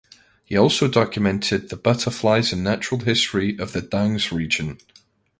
He also documented the butterflies and natural history of the Dangs region.